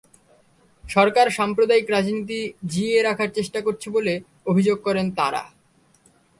সরকার সাম্প্রদায়িক রাজনীতি জিইয়ে রাখার চেষ্টা করছে বলে অভিযোগ করেন তাঁরা।